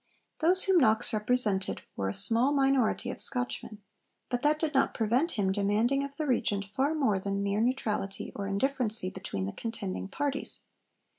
Those whom Knox represented were a small minority of Scotchmen; but that did not prevent him demanding of the Regent far more than mere neutrality or 'indifferency' between the contending parties.